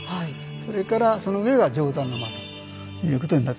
それからその上が「上段の間」ということになってまして。